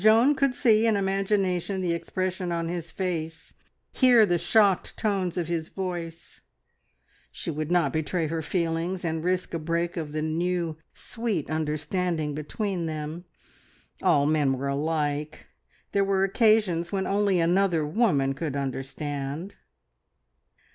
Joan could see in imagination the expression on his face, hear the shocked tones of his voice; she would not betray her feelings and risk a break of the new, sweet understanding between them. All men were alike. There were occasions when only another woman could understand.